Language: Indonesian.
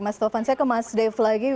mas dovan saya ke mas dev lagi